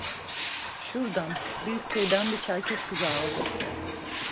Şurdan, Büyükköy'den bir Çerkez kızı aldı.